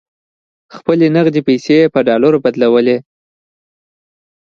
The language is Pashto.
خپلې نغدې پیسې یې پر ډالرو بدلولې.